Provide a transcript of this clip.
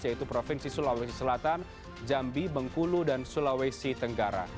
yaitu provinsi sulawesi selatan jambi bengkulu dan sulawesi tenggara